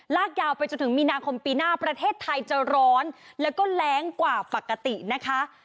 ลากยาวไปจนถึงมีนาคมปีหน้าประเทศไทยจะร้อนแล้วก็แรงกว่าปกตินะคะ